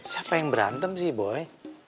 siapa yang berantem sih boy